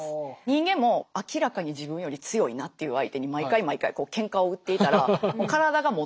人間も明らかに自分より強いなっていう相手に毎回毎回ケンカを売っていたら体がもたないわけですよね。